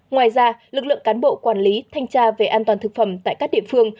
ngoài ra lực lượng cán bộ quản lý thanh tra về an toàn thực phẩm tại các địa phương